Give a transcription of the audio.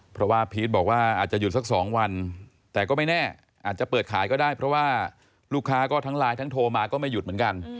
เพราะว่าพีชบอกว่าอาจจะหยุดสัก๒วันแต่ก็ไม่แน่อาจจะเปิดขายก็ได้เพราะว่าลูกค้าก็ทั้งไลน์ทั้งโทรมาก็ไม่หยุดเหมือนกัน